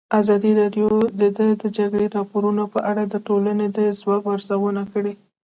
ازادي راډیو د د جګړې راپورونه په اړه د ټولنې د ځواب ارزونه کړې.